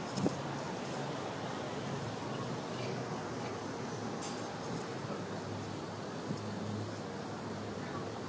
จานมาย